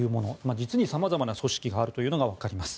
実に様々な組織があるというのがわかります。